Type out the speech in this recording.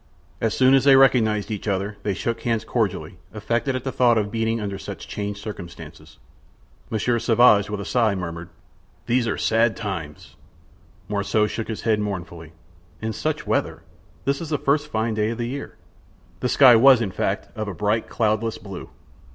As soon as they recognized each other they shook hands cordially, affected at the thought of meeting under such changed circumstances. Monsieur Sauvage, with a sigh, murmured: "These are sad times!" Morissot shook his head mournfully. "And such weather! This is the first fine day of the year." The sky was, in fact, of a bright, cloudless blue.